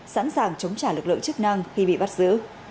sẵn sàng chống trả lực lượng chức năng khi bị bắt giữ